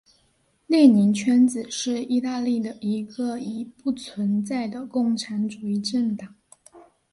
列宁圈子是意大利的一个已不存在的共产主义政党。